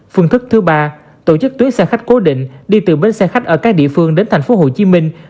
phương thức thứ ba tổ chức tuyến xe khách cố định đi từ bến xe khách ở các địa phương đến thành phố hồ chí minh